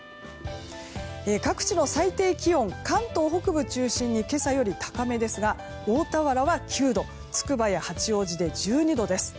各地の最低気温関東北部中心に今朝より高めですが大田原は９度つくばや八王子で１２度です。